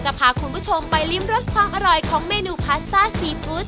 พาคุณผู้ชมไปริมรสความอร่อยของเมนูพาสต้าซีฟู้ด